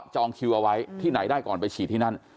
คิวเอาไว้ที่ไหนได้ก่อนไปฉีดที่นั่น